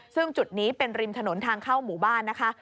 ซึ่งจุดนี้เป็นริมถนนทางเข้าหมู่บ้านนะคะ